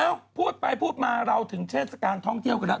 พูดไปพูดมาเราถึงเทศกาลท่องเที่ยวกันแล้ว